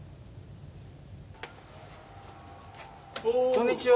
こんにちは。